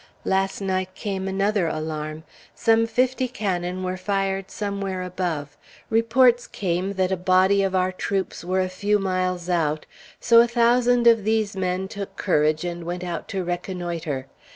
Last night came another alarm. Some fifty cannon were fired somewhere above, reports came that a body of our troops were a few miles out, so a thousand of these men took courage and went out to reconnoitre.